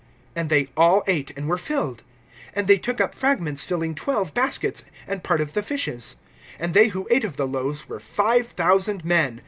(42)And they all ate, and were filled. (43)And they took up fragments filling twelve baskets, and part of the fishes. (44)And they who ate of the loaves were five thousand men.